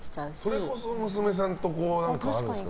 それこそ娘さんとあるんですか？